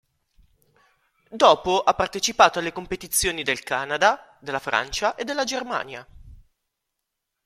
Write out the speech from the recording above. Dopo ha partecipato alle competizioni del Canada, della Francia e della Germania.